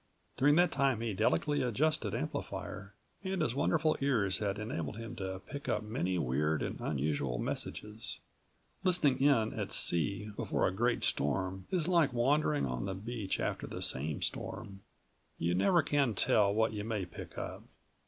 During that time his delicately adjusted amplifier and his wonderful ears had enabled him to pick up many weird and unusual messages. Listening in at sea before a great storm is like wandering on the beach after that same storm; you never can tell what you may pick up.